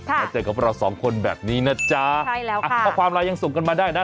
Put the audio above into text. มาเจอกับเราสองคนแบบนี้นะจ๊ะใช่แล้วค่ะข้อความไลน์ยังส่งกันมาได้นะ